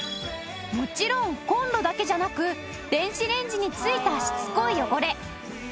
もちろんコンロだけじゃなく電子レンジについたしつこい汚れ。